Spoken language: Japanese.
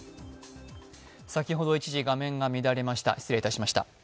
先ほど一時、画面が乱れました。